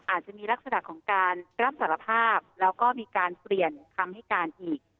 อาจจะมีลักษณะของการรับสารภาพแล้วก็มีการเปลี่ยนคำให้การอีก